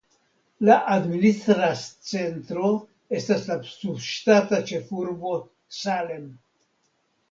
La administra centro estas la subŝtata ĉefurbo Salem.